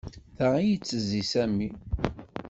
Da i yettezzi Sami.